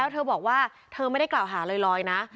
เธอบอกว่าเธอไม่ได้กล่าวหาลอยนะ